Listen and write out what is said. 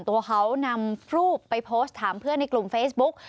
ตัวเขานำรูปไปโพสต์ถามเพื่อนในกลุ่มเฟซบุ๊ก